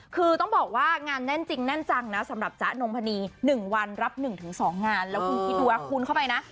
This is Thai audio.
คือต้องบอกว่างานแน่นจริงแน่นจังนะสำหรับจ๊ะนงพนี๑วันรับ๑๒งานแล้วคุณคิดดูคูณเข้าไปนะ